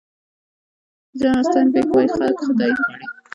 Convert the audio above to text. جان سټاین بېک وایي خلک تایید غواړي.